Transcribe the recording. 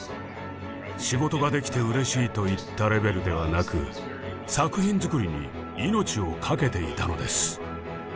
「仕事ができてうれしい」といったレベルではなく作品作りに命を懸けていたのです。